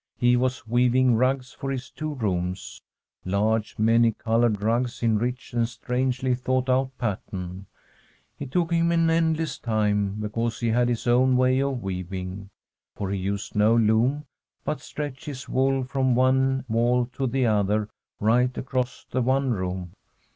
He was weaving rugs for his two rooms — large, many coloured rugs in a rich and strangely thought out pattern. It took him an endless time, because he had his own way of weav ing, for he used no loom, but stretched his wool from the one wall to the other right across the one room.